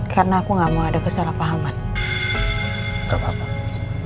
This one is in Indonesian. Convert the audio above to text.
karena aku enggak mau ada kesalahpahaman aux ko try ag citizen